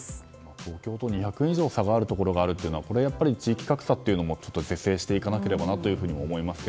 東京と２００円以上差があるというところはやっぱり地域格差も是正していかなければと思います。